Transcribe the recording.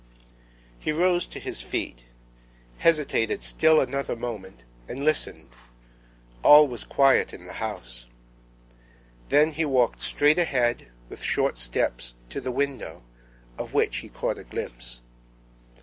He rose to his feet, hesitated still another moment, and listened; all was quiet in the house; then he walked straight ahead, with short steps, to the window, of which he caught a glimpse.